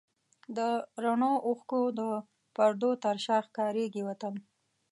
د رڼو اوښکو د پردو تر شا ښکارېږي وطن